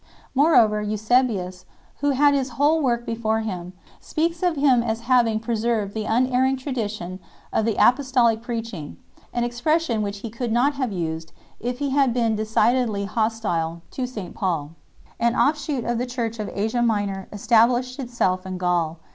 Moreover Eusebius, who had his whole work before him, speaks of him as having preserved the unerring tradition of the apostolic preach ing an expression which he could not have used if he had been decidedly hostile to St Paul. An offshoot of the Church of Asia Minor established it self in Gaul.